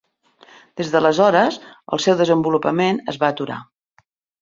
Des d'aleshores, el seu desenvolupament es va aturar.